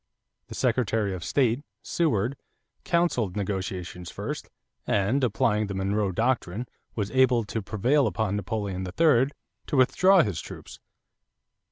The Secretary of State, Seward, counseled negotiation first, and, applying the Monroe Doctrine, was able to prevail upon Napoleon III to withdraw his troops.